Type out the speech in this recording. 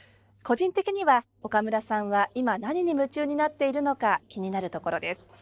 個人的には岡村さんは今何に夢中になっているのか気になるところです。